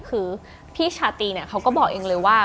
คือพี่ชาตรีเนี่ยเขาก็บอกเองเลยว่า